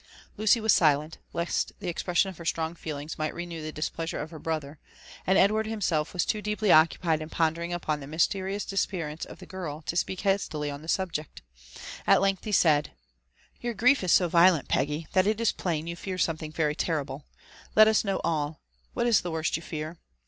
Lucy was silent, lest the expression of her strong feelings might renew the displeasure of her brother ; and Edward himself was too deeply occupied in pondering upon the mys terious disappearance of the girl, to speak hastily on the subject. At length he said, *' Your grief is so violent, Peggy, that it is plain you fear some thing very terrible. — ^Let us know all. What is the worst you fear?